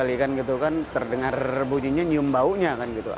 itu terdengar bunyinya nyium baunya